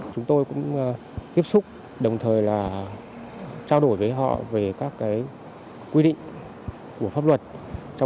chúng tôi cũng tiếp xúc đồng thời là trao đổi với họ về các quy định của pháp luật